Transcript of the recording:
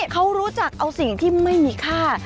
เขารู้จักเอาสิ่งที่ไม่มีค่า